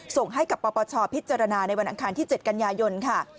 ส่งให้กับปปชพิจารณาในวันอังคารที่๗กันยายนค่ะ